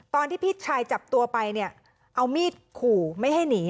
พี่ชายจับตัวไปเนี่ยเอามีดขู่ไม่ให้หนี